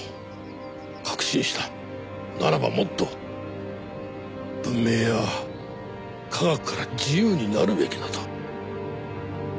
ならばもっと文明や科学から自由になるべきだと。